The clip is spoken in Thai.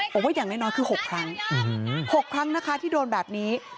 บอกว่าอย่างน้อยคือ๖ครั้ง๖ครั้งนะคะที่โดนแบบนี้